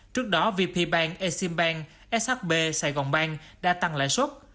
trước đó vpbank eximbank shb sài gòn bank đã tăng lãi suất